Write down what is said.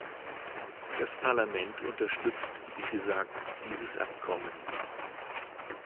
Das Parlament unterstützt, wie gesagt, dieses Abkommen.